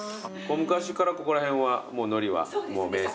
昔からここら辺はのりは名産。